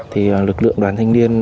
thì lực lượng đoàn thanh niên